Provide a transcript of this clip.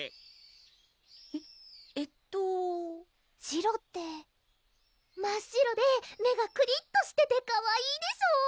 えっえっとシロって真っ白で目がくりっとしててかわいいでしょ？